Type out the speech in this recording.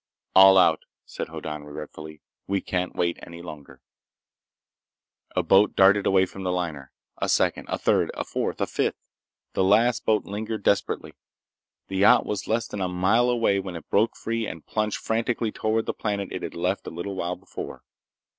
"All out," said Hoddan regretfully. "We can't wait any longer!" A boat darted away from the liner. A second. A third and fourth and fifth. The last boat lingered desperately. The yacht was less than a mile away when it broke free and plunged frantically toward the planet it had left a little while before.